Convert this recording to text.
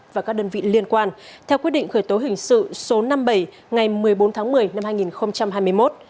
và các đơn vị liên quan theo quyết định khởi tố hình sự số năm mươi bảy ngày một mươi bốn tháng một mươi năm hai nghìn hai mươi một